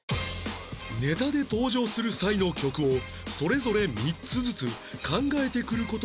ネタで登場する際の曲をそれぞれ３つずつ考えてくる事にした２人